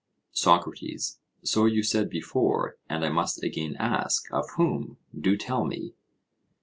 SOCRATES: So you said before, and I must again ask, of whom? Do tell me.